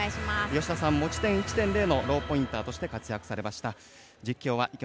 吉田さん、持ち点１．０のローポインターとして活躍されました。